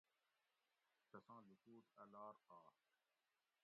تساں لوکوٹ اَ لار آش